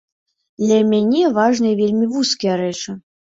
Для мяне важныя вельмі вузкія рэчы.